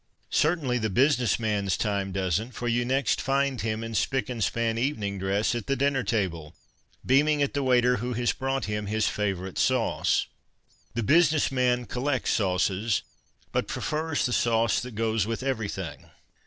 Certainly, the busi ness man's time doesn't — for you next find him, in spick and span evening dress, at the dinner table, beaming at the waiter who has brought him his favourite sauce. The business man collects sauces, but prefers the sauce that goes with everything.